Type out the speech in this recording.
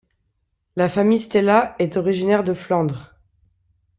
La famille Stella est originaire de Flandre.